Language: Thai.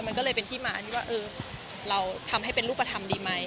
มันก็เลยเป็นที่มาว่าเราทำให้เป็นรูปทำดีไหม